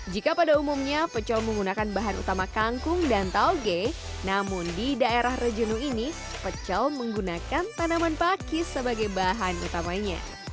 jika pada umumnya pecel menggunakan bahan utama kangkung dan tauge namun di daerah rejenu ini pecel menggunakan tanaman pakis sebagai bahan utamanya